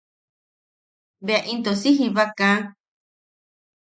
Bea into si jiba kaa.